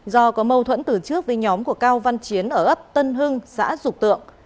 do có mâu thuẫn từ trước với nhóm của cao văn chiến ở ấp tân hưng xã dục tượng